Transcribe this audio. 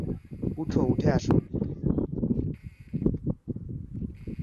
উঠ, উঠে আস।